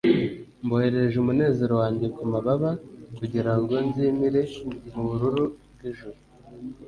mboherereje umunezero wanjye ku mababa, kugira ngo nzimire mu bururu bw'ijuru.